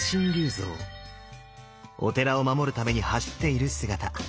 お寺を守るために走っている姿。